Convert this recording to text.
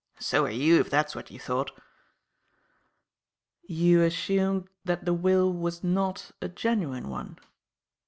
And so are you, if that is what you thought." "You assumed that the will was not a genuine one?"